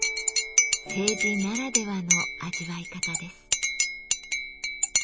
青磁ならではの味わい方です。